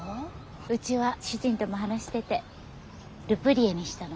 うちは主人とも話しててル・プリエにしたの。